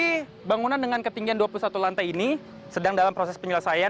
jadi bangunan dengan ketinggian dua puluh satu lantai ini sedang dalam proses penyelesaian